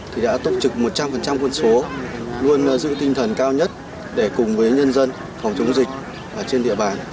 thì đã túc trực một trăm linh quân số luôn giữ tinh thần cao nhất để cùng với nhân dân phòng chống dịch trên địa bàn